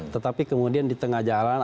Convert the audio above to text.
tetapi kemudian di tengah jalan